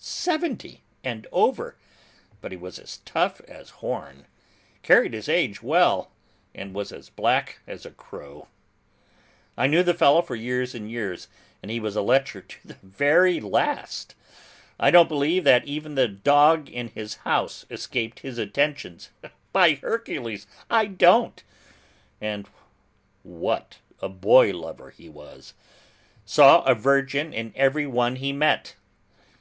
Seventy and over, but he was as tough as horn, carried his age well, and was as black as a crow. I knew the fellow for years and years, and he was a lecher to the very last. I don't believe that even the dog in his house escaped his attentions, by Hercules, I don't; and what a boy lover he was! Saw a virgin in every one he met!